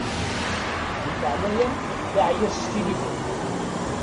Di leɛnaya-m laɛi-yas s tilifun.